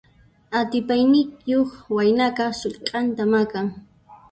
Atipayniyuq waynaqa sullk'anta maqan.